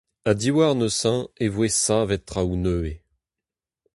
Ha diwar neuze e voe savet traoù nevez.